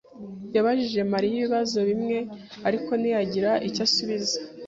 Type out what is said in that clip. yabajije Mariya ibibazo bimwe, ariko ntiyagira icyo asubiza.